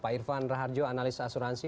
pak irfan raharjo analis asuransi